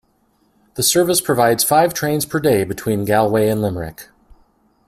The service provides five trains per day between Galway and Limerick.